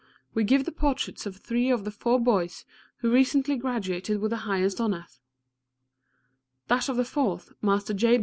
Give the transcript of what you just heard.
We give the portraits of three of the four boys who recently graduated with the highest honors. That of the fourth, Master J.